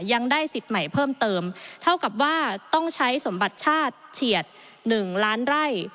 ยังได้สิทธิ์ใหม่เพิ่มเติมเท่ากับว่าต้องใช้สมบัติชาติเฉียด๑ล้านไร่